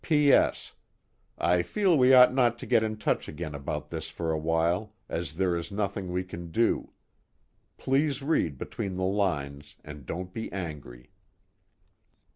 "P.S. I feel we ought not to get in touch again about this for a while as there is nothing we can do. Please read between the lines and don't be angry."